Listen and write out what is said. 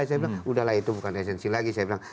saya bilang udah lah itu bukan esensi lagi